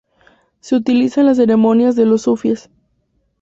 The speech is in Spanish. Se utiliza en las ceremonias de los sufíes.